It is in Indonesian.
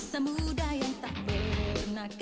sampai jumpa lagi